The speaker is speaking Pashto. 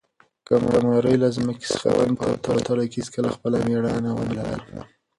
قمرۍ له ځمکې څخه ونې ته په الوتلو کې هیڅکله خپله مړانه ونه بایلله.